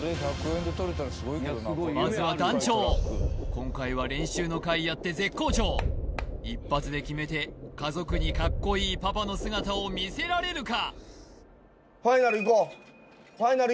今回は練習の甲斐あって絶好調一発で決めて家族にかっこいいパパの姿を見せられるか？